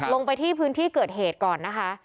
ลงไปที่พื้นที่เกิดเหตุก่อนนะคะ